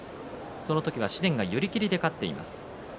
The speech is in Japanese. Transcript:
その時は紫雷が寄り切りで勝っています。